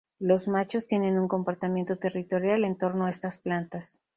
Los machos tiene un comportamiento territorial en torno a estas plantas.